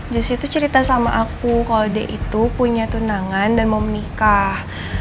di situ cerita sama aku kalau dia itu punya tunangan dan mau menikah